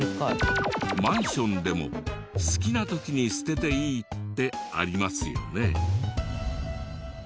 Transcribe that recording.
マンションでも好きな時に捨てていいってありますよね。